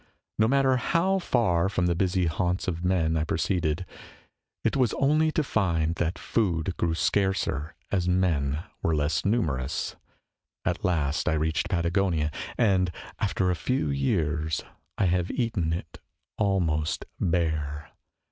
No matter how far from the ' busy haunts of men ' I proceeded, it was only to find that food grew scarcer as men were less numerous. At last I reached Patagonia, and after a few years I have eaten it al most bare.